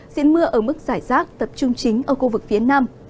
diện mưa ở mức giải rác tập trung chính ở khu vực phía nam